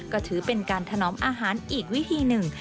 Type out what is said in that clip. ก็ถือเป็นการถนอมอาหารอีกวิธีหนึ่ง